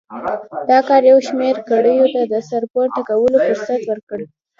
دا کار یو شمېر کړیو ته د سر پورته کولو فرصت ورکړ.